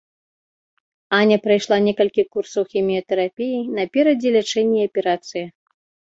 Аня прайшла некалькі курсаў хіміятэрапіі, наперадзе лячэнне і аперацыя.